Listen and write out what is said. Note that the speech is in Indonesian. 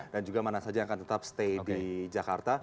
dan juga mana saja yang akan tetap stay di jakarta